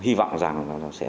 hy vọng rằng